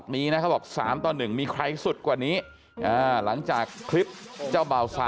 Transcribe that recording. มีมากมายหลายคลิปอ่ะ